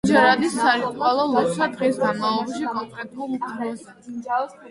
ხუთჯერადი სარიტუალო ლოცვა დღის განმავლობაში კონკრეტულ დროზე.